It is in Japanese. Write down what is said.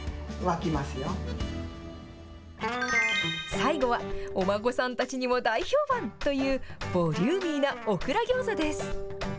最後は、お孫さんたちにも大評判という、ボリューミーなオクラギョーザです。